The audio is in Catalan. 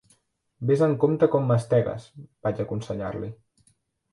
"Vés amb compte com mastegues", vaig aconsellar-li...